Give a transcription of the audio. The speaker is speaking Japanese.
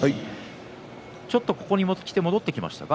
ここにきて戻ってきましたか？